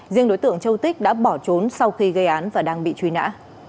riêng đối tượng châu tích đã bỏ trốn sau khi gây án và đang bị truy nã